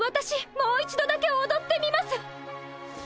もう一度だけおどってみます！